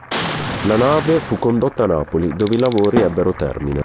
La nave fu condotta a Napoli, dove i lavori ebbero termine.